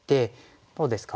どうですか？